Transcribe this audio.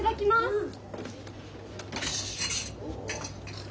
うん。